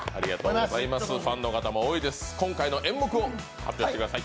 ファンの方も多いです、今回の演目を発表してください。